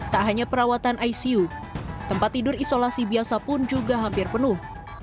tak hanya perawatan icu tempat tidur isolasi biasa pun juga hampir penuh